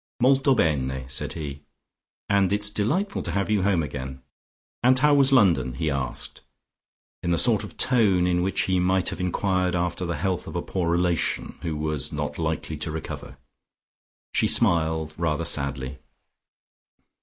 "Molto bene," said he, "and it's delightful to have you home again. And how was London?" he asked in the sort of tone in which he might have enquired after the health of a poor relation, who was not likely to recover. She smiled rather sadly.